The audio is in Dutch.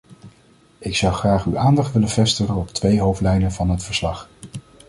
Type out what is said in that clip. Ik zou graag uw aandacht willen vestigen op twee hoofdlijnen van het verslag.